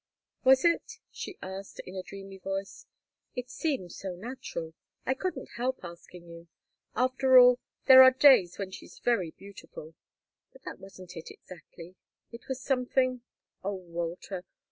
"Was it?" she asked, in a dreamy voice. "It seemed so natural. I couldn't help asking you. After all, there are days when she's very beautiful. But that wasn't it, exactly. It was something oh, Walter!